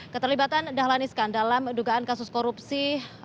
keterlibatan dahlan iskan dalam dugaan kasus korupsi